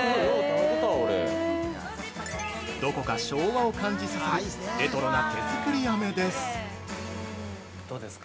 ◆どこか昭和を感じさせるレトロな手作りあめです。